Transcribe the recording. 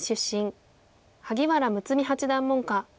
萩原睦八段門下。